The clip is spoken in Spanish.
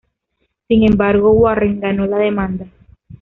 Sin embargo Warren ganó la demanda.